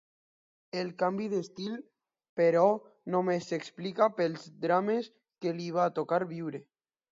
El canvi d'estil, però, no només s'explica pels drames que li va tocar viure.